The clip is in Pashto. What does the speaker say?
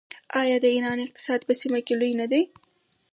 آیا د ایران اقتصاد په سیمه کې لوی نه دی؟